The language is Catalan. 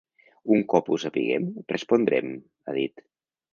Un cop ho sapiguem, respondrem, ha dit.